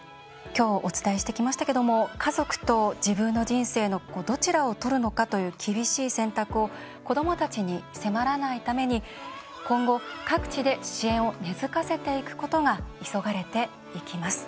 今日お伝えしてきましたけども家族と自分の人生のどちらを取るのかという厳しい選択を子どもたちに迫らないために今後、各地で支援を根づかせていくことが急がれていきます。